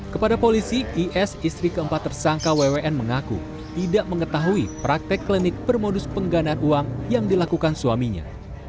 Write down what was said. kepada polisi is istri keempat tersangka wwn mengaku tidak mengetahui praktek klinik bermodus pengganaan uang yang dilakukan suaminya